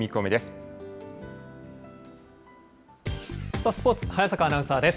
さあスポーツ、早坂アナウンサーです。